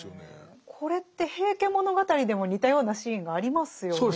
これって「平家物語」でも似たようなシーンがありますよね。